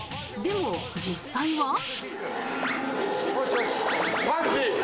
でも実際は。